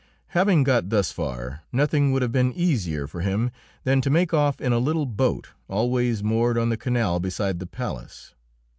Having got thus far, nothing would have been easier for him than to make off in a little boat always moored on the canal beside the palace.